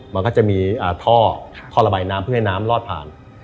มันก็จะมีท่อท่อระบายน้ำเพื่อให้น้ำลอดผ่าน